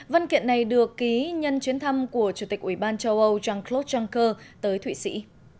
văn kiện này được ký nhân chuyến thăm của chủ tịch ủy ban châu âu jean claude juncker tới thụy sĩ